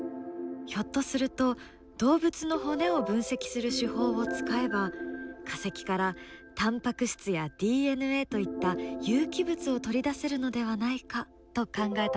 ひょっとすると動物の骨を分析する手法を使えば化石からタンパク質やＤＮＡといった有機物を取り出せるのではないかと考えたのです。